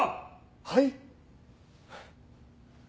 はい？